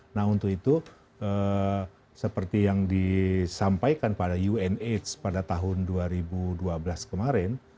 nah untuk itu seperti yang disampaikan pada unhs pada tahun dua ribu dua belas kemarin